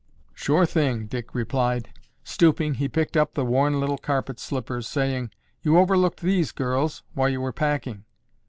"Sure thing!" Dick replied. Stooping, he picked up the worn little carpet slippers, saying, "You overlooked these, girls, while you were packing."